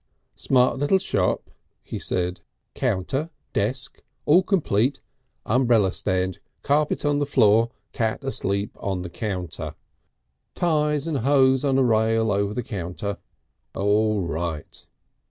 "Smart little shop," he said. "Counter. Desk. All complete. Umbrella stand. Carpet on the floor. Cat asleep on the counter. Ties and hose on a rail over the counter. All right."